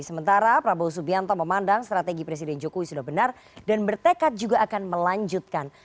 sementara prabowo subianto memandang strategi presiden jokowi sudah benar dan bertekad juga akan melanjutkan